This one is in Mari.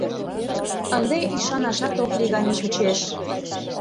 Ынде ӱшанашат ок лий гане чучеш.